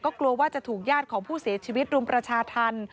กลัวว่าจะถูกญาติของผู้เสียชีวิตรุมประชาธรรม